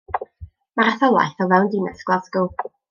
Mae'r etholaeth o fewn Dinas Glasgow.